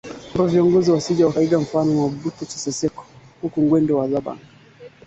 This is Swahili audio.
Baadhi ya waasi hao waliamua kubaki katika kambi ya jeshi